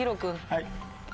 はい。